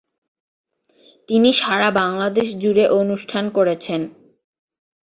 তিনি সারা বাংলাদেশ জুড়ে অনুষ্ঠান করেছেন।